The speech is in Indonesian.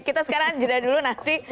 kita sekarang jeda dulu nanti